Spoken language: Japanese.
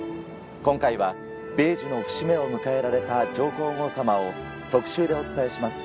今回は米寿の節目を迎えられた上皇后さまを特集でお伝えします。